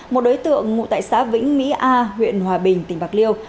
một đối tượng ngụ tại xã vĩnh mỹ a huyện hòa bình tỉnh bạc liêu